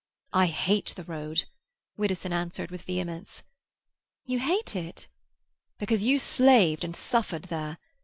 "I hate the road!" Widdowson answered, with vehemence. "You hate it?" "Because you slaved and suffered there.